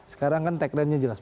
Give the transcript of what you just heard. sekarang kan tagline nya jelas